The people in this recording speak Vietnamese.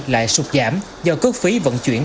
lại sụt giảm do cước phí vận chuyển